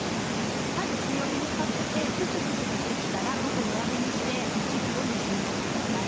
まず強火にかけて沸々として来たらごく弱火にして２０分蒸し煮してください。